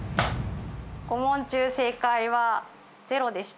５問中正解はゼロでした。